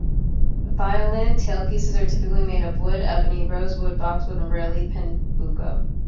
Violin tailpieces are typically made of wood: ebony, rosewood, boxwood, or rarely pernambuco.